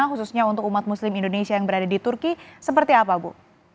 khususnya untuk umat muslim indonesia yang berada di turki seperti apa bu